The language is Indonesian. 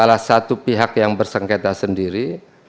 salah satu pihak yang bersengketa sendiri